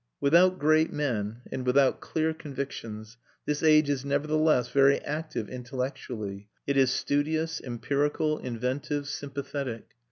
Without great men and without clear convictions this age is nevertheless very active intellectually; it is studious, empirical, inventive, sympathetic.